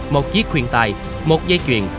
một chiếc khuyên tài một giấy chuyện